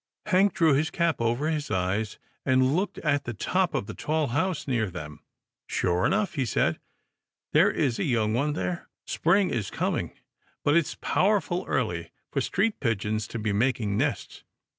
Hank drew his cap over his eyes, and looked at the top of the tall house near them. " Sure enough," he said, " there is a young one there. Spring is coming, but it's powerful early for street pigeons to be making nests.